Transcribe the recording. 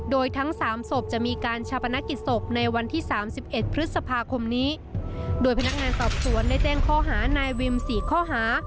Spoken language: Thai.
โดยทั้งสามศพจะมีการชาปนกิจศพในวันที่สามสิบเอ็ดพฤษภาคมนี้โดยพนักงานสอบสวนได้แจ้งข้อหานายวิมสี่ข้อหา